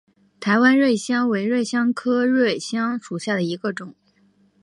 台湾瑞香为瑞香科瑞香属下的一个种。